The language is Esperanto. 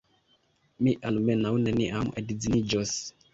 Mi almenaŭ neniam edziniĝos!